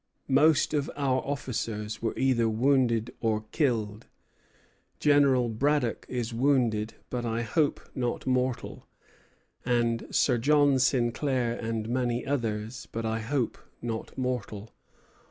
Most of our officers were either wounded or killed; General Braddock is wounded, but I hope not mortal; and Sir John Sinclair and many others, but I hope not mortal.